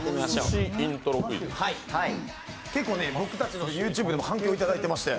僕たちのＹｏｕＴｕｂｅでも反響ただいてまして。